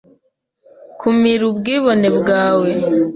Kumira ubwibone bwawe